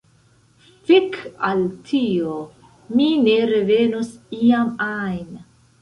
Fek al tio, mi ne revenos iam ajn!